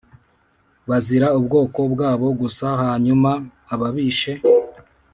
bazira ubwoko bwabo gusa hanyuma ababishe